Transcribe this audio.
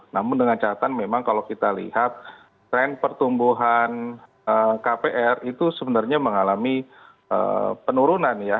namun dengan catatan memang kalau kita lihat tren pertumbuhan kpr itu sebenarnya mengalami penurunan ya